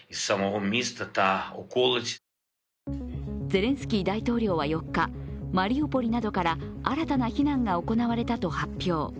ゼレンスキー大統領は４日、マリウポリなどから新たな避難が行われたと発表。